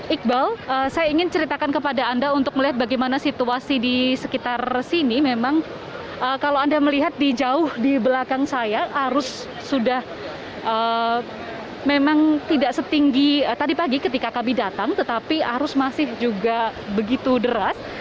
iqbal saya ingin ceritakan kepada anda untuk melihat bagaimana situasi di sekitar sini memang kalau anda melihat di jauh di belakang saya arus sudah memang tidak setinggi tadi pagi ketika kami datang tetapi arus masih juga begitu deras